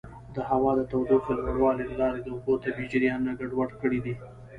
د هوا د تودوخې لوړوالي له لارې د اوبو طبیعي جریانونه ګډوډ کړي دي.